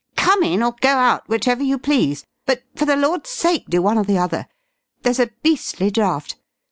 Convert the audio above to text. "Come in, or go out, which ever you please. But for the Lord's sake, do one or the other! There's a beastly draught.